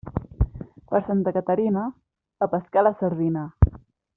Per Santa Caterina, a pescar la sardina.